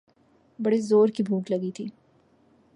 بڑے زورکی بھوک لگی تھی۔